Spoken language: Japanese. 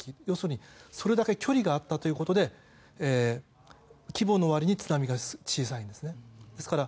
要するに、それだけ距離があったということで規模の割に津波が小さいんです。